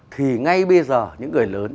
thì ngay bây giờ những người lớn